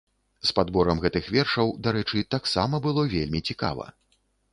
З падборам гэтых вершаў, дарэчы, таксама было вельмі цікава.